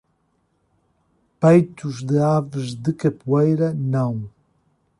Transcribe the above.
Peitos de aves de capoeira não.